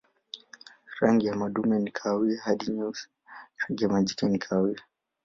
Rangi ya madume ni kahawia hadi nyeusi, rangi ya majike ni kahawia.